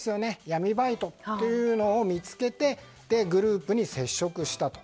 闇バイトを見つけてグループに接触したと。